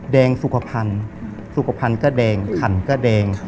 สุขภัณฑ์สุขภัณฑ์ก็แดงขันก็แดง